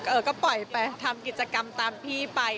เออก็ปล่อยไปทำกิจกรรมตามพี่ไป